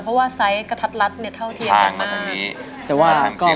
เพราะว่าไซส์กระทัดรัดเนี่ยเท่าเทียมกันมาก